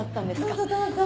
どうぞどうぞ。